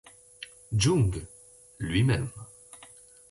Jung lui-même.